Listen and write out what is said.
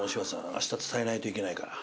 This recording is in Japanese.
明日伝えないといけないから。